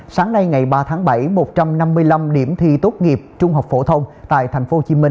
sáng nay ngày ba tháng bảy một trăm năm mươi năm điểm thi tốt nghiệp trung học phổ thông tại tp hcm